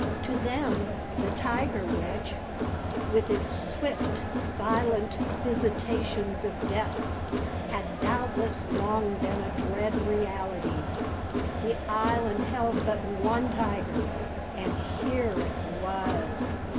To them the tiger witch, with its swift, silent visitations of death, had doubtless long been a dread reality. The island held but one tiger and here it was!